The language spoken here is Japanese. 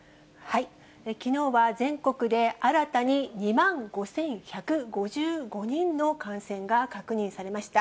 きのうは全国で新たに２万５１５５人の感染が確認されました。